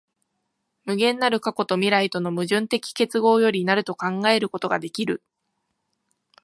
無限なる過去と未来との矛盾的結合より成ると考えることができる。